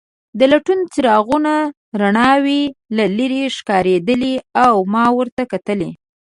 د لټون څراغونو رڼاوې له لیرې ښکارېدلې او ما ورته کتل.